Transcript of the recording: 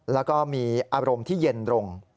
แล้วก็มีอารมณ์ที่เย็นลง